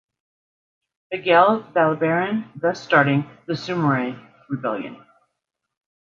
Miguel Balberan, thus starting the Sumuroy Rebellion.